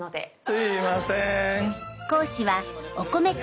すいません。